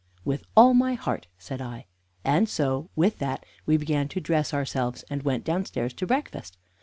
"With all my heart," said I. And so with that we began to dress ourselves, and went downstairs to breakfast.